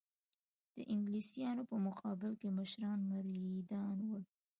د انګلیسیانو په مقابل کې مشران مریدان ول.